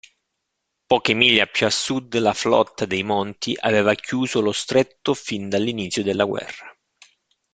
Poche miglia più a sud la flotta dei Monti aveva chiuso lo stretto fin dall'inizio della guerra.